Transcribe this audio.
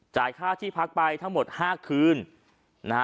จ่ายค่าที่พักไปทั้งหมด๕คืน